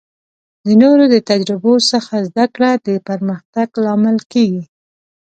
د نورو د تجربو څخه زده کړه د پرمختګ لامل کیږي.